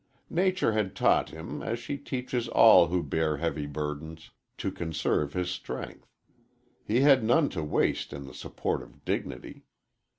Nature had taught him, as she teaches all who bear heavy burdens, to conserve his strength. He had none to waste in the support of dignity.